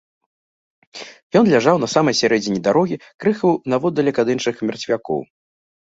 Ён ляжаў на самай сярэдзіне дарогі, крыху наводдалек ад іншых мерцвякоў.